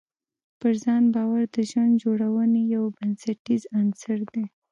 پر ځان باور د ژوند جوړونې یو بنسټیز عنصر دی.